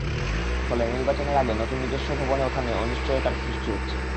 ফলে নির্বাচনের আগে নতুন নিজস্ব ভবনে ওঠা নিয়ে অনিশ্চয়তার সৃষ্টি হচ্ছে।